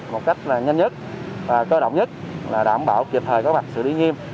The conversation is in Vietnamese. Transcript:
một cách là nhanh nhất và cơ động nhất là đảm bảo kịp thời có mặt xử lý nghiêm